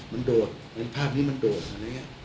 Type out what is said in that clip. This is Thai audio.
ไหนภาพนี้มันโดด